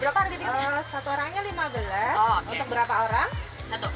berapa harga diketiknya satu orangnya lima belas untuk berapa orang satu